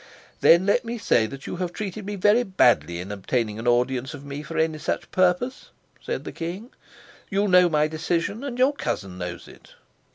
"Then let me say that you have treated me very badly in obtaining an audience of me for any such purpose," said the king. "You knew my decision, and your cousin knows it."